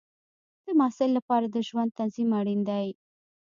د محصل لپاره د ژوند تنظیم اړین دی.